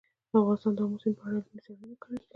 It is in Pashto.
افغانستان د آمو سیند په اړه علمي څېړنې لري.